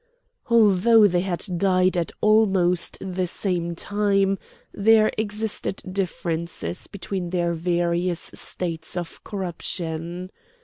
Although they had died at almost the same time there existed differences between their various states of corruption.